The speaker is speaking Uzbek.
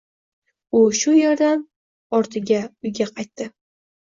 U shu yerdan ortigauyga qaytdi